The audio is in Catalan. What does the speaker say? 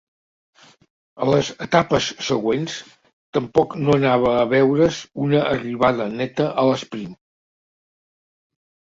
A les etapes següents, tampoc no anava a veure's una arribada neta a l'esprint.